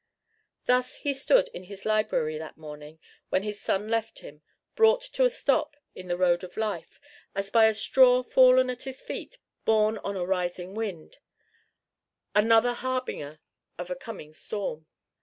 Thus he stood in his library that morning when his son left him, brought to a stop in the road of life as by a straw fallen at his feet borne on a rising wind another harbinger of a coming storm.